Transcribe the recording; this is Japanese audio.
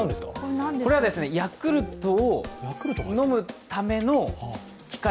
これはヤクルトを飲むための機械。